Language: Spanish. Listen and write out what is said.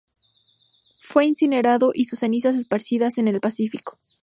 Fue incinerado, y sus cenizas esparcidas en el Pacífico.